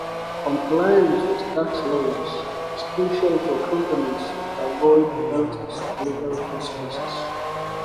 Compliance with tax laws is crucial for companies to avoid penalties and legal consequences.